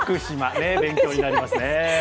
ねえ、勉強になりますねえ。